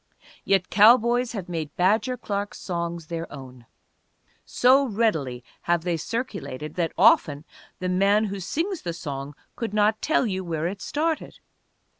Yet cowboys have made Badger Clark's songs their own. So readily have they circulated that often the man who sings the song could not tell you where it started.